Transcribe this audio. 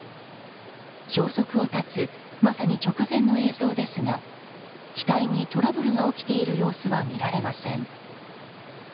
消息を絶つまさに直前の映像ですが機体にトラブルが起きている様子は見られません。